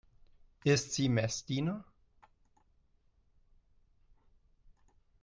Ist sie Messdiener?